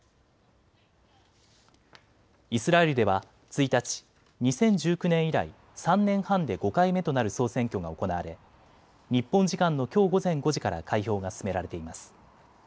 イスラエルでは１日、２０１９年以来３年半で５回目となる総選挙が行われ日本時間のきょう午前５時から開票が進められています。